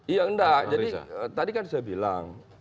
iya enggak jadi tadi kan saya bilang